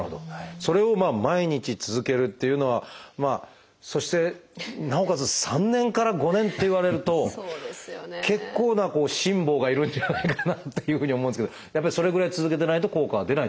それを毎日続けるっていうのはそしてなおかつ３年から５年っていわれると結構な辛抱が要るんじゃないかなっていうふうに思うんですけどやっぱりそれぐらい続けてないと効果は出ないってことなんですか？